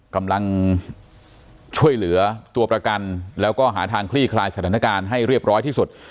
กำลังช่วยเหลือตัวประกันแล้วก็หาทางคลี่คลายสถานการณ์ให้เรียบร้อยที่สุด